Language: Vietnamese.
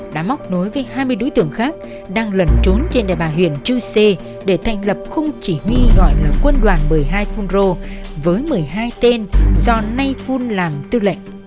đã móc nối với hai mươi đối tượng khác đang lần trốn trên đài bà huyền chư sê để thành lập khung chỉ huy gọi là quân đoàn một mươi hai fonro với một mươi hai tên do nay phun làm tư lệnh